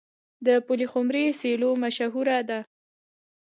د پلخمري سیلو مشهوره ده.